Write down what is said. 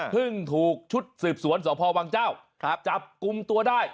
ถูกชุดสืบสวนสพวังเจ้าจับกลุ่มตัวได้